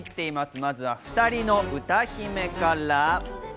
まずは２人の歌姫から。